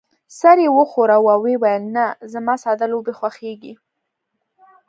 سر يې وښوراوه او وې ویل: نه، زما ساده لوبې خوښېږي.